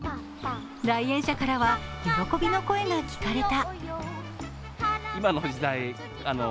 来園者からは喜びの声が聞かれた。